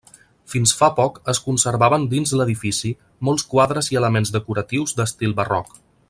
Fins fa poc es conservaven dins l'edifici molts quadres i elements decoratius d'estil barroc.